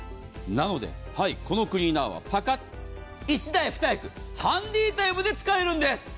なのではい、このクリーナーはパカッと、１台２役ハンディタイプで使えるんです。